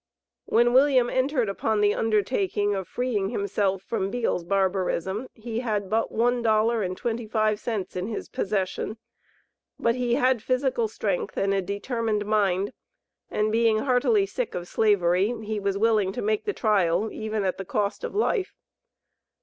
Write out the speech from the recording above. When William entered upon the undertaking of freeing himself from Beale's barbarism, he had but one dollar and twenty five cents in his possession; but he had physical strength and a determined mind, and being heartily sick of Slavery, he was willing to make the trial, even at the cost of life.